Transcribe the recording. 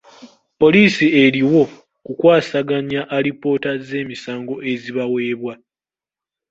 Poliisi eriwo kukwasaganya alipoota z'emisango ezibaweebwa.